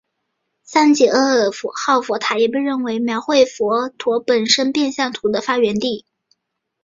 桑吉二号佛塔也被认定为描绘佛陀本生变相图的发源地。